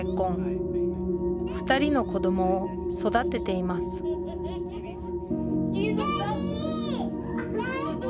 ２人の子どもを育てていますダディ！